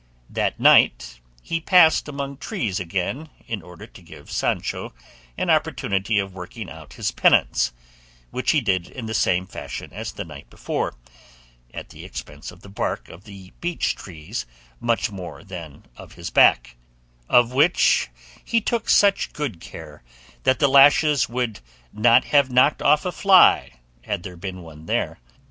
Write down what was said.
That night he passed among trees again in order to give Sancho an opportunity of working out his penance, which he did in the same fashion as the night before, at the expense of the bark of the beech trees much more than of his back, of which he took such good care that the lashes would not have knocked off a fly had there been one there.